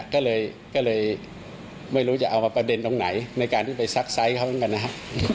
ก็เลยไม่รู้จะเอามาประเด็นตรงไหนในการที่ไปซักไซส์เขาเหมือนกันนะครับ